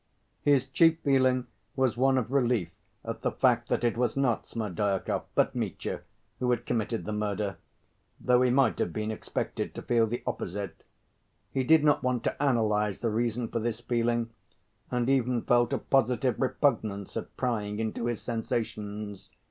His chief feeling was one of relief at the fact that it was not Smerdyakov, but Mitya, who had committed the murder, though he might have been expected to feel the opposite. He did not want to analyze the reason for this feeling, and even felt a positive repugnance at prying into his sensations.